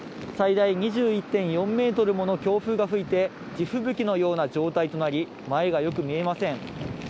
最大２１．４メートルもの強風が吹いて、地吹雪のような状態となり、前がよく見えません。